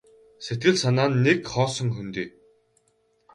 Сэтгэл санаа нь нэг хоосон хөндий.